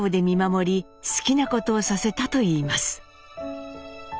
見守り好きなことをさせたといいます。